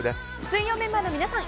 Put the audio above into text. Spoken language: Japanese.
水曜メンバーの皆さん